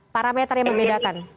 parameter yang membedakan